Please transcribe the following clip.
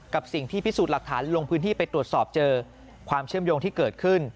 กับสิ่งที่พิสูจน์หลักฐานลงพื้นที่ไปตรวจสอบเจอความเชื่อมโยงที่เกิดขึ้น